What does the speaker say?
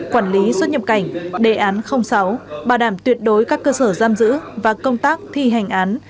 quản lý xuất nhập cảnh đề án sáu bảo đảm tuyệt đối các cơ sở giam giữ và công tác thi hành án